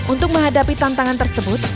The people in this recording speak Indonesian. untuk menghadapi tantangan tersebut